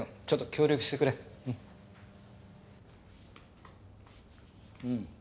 ちょっと協力してくれうん。